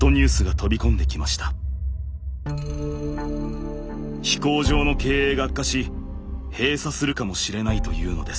飛行場の経営が悪化し閉鎖するかもしれないというのです。